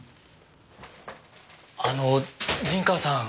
あの陣川さん